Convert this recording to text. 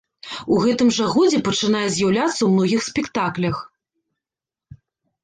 У гэтым жа годзе пачынае з'яўляцца ў многіх спектаклях.